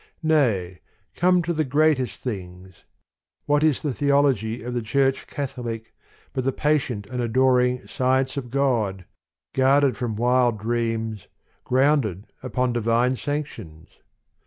Nay, come to the greatest things : what is the Theology of the Church Catholic, but the patient and adoring Science of God, guard ed from wild dreams, grounded upon di vine sanctions